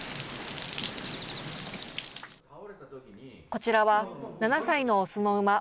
こちらは７歳の雄の馬。